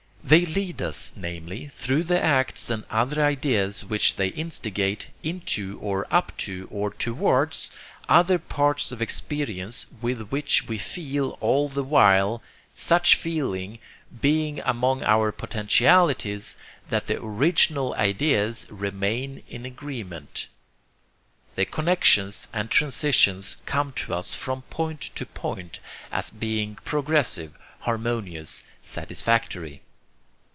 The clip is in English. They lead us, namely, through the acts and other ideas which they instigate, into or up to, or towards, other parts of experience with which we feel all the while such feeling being among our potentialities that the original ideas remain in agreement. The connexions and transitions come to us from point to point as being progressive, harmonious, satisfactory.